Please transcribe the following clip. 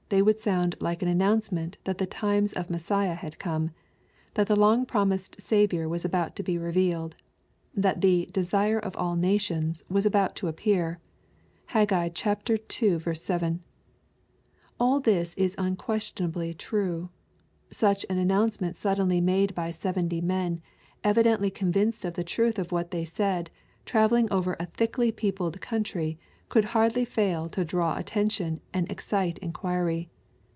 y would sound like an announce ment that the titnes of Messiah had come, — that the long promised Saviour was about to be revealed, — ^that the " desire of all nations" was about to appear. (Hag. ii. 7.) All this is unquestionably true. Such an announce* ment suddenly made by seventy men, evidently con vinced of the truth of what they said, travelling over a thickly peopled country, could hardly fail to draw attention and excite inquiry.